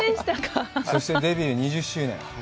そしてデビュー２０周年。